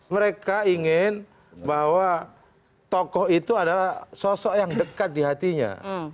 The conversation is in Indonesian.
mereka ingin bahwa tokoh itu adalah sosok yang dekat di hatinya